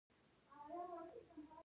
دا ډاټا د نمبرونو په بڼه ثبتوي.